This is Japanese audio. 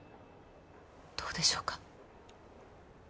どうでしょうか？